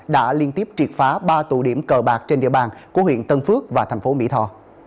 đã liên tiếp triệt phá ba tụ điểm cờ bạc trên địa bàn của huyện tân phước và thành phố mỹ tho